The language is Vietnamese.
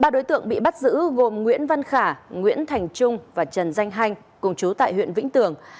ba đối tượng bị bắt giữ gồm nguyễn văn khả nguyễn thành trung và trần danh hanh cùng chú tại huyện vĩnh tường